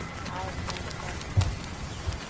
Avonsasa.